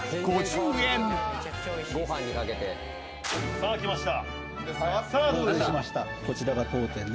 さあきました。